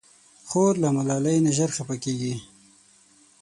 خور له ملالۍ نه ژر خفه کېږي.